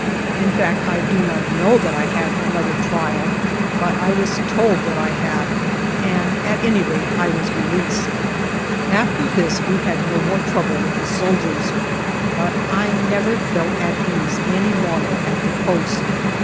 In fact I do not know that I had another trial, but I was told that I had, and at any rate I was re leased. After this we had no more trouble with the soldiers, but I never felt at ease any longer at the Post.